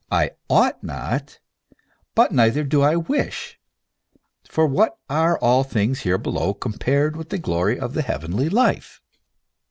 I ought not ; but neither do I wish ; for what are all things here below compared with the glory of the heavenly life